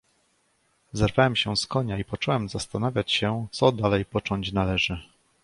"Zerwałem się z konia i począłem zastanawiać się, co dalej począć należy."